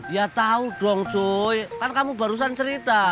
ya tau dong suy kan kamu barusan cerita